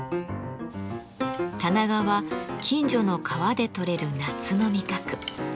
タナガは近所の川で取れる夏の味覚。